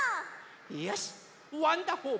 よしワンダホー☆